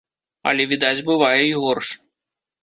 Але, відаць, бывае і горш.